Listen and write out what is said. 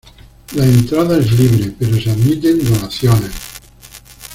La entrada es libre, pero se admiten donaciones.